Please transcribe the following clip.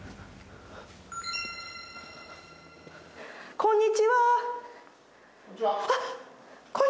こんにちは。